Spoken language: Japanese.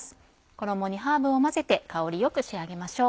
衣にハーブを混ぜて香りよく仕上げましょう。